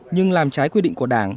nhưng làm trái quy định của đảng